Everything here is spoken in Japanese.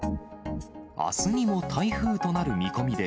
あすにも台風となる見込みで、